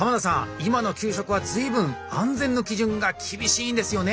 今の給食は随分安全の基準が厳しいんですよね？